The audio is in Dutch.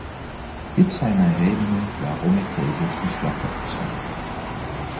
Dit zijn mijn redenen waarom ik tegen het verslag heb gestemd.